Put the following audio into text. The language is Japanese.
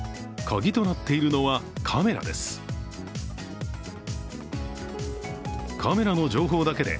カギとなっているのはカメラです。